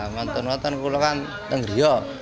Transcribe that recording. waktu itu saya pulang ke tenggriya